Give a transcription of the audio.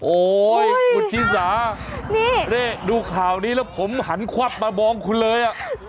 โอ้ยที่สานี่ดูข่าวนี้แล้วผมหันควับมาบ้องคุณเลยอะ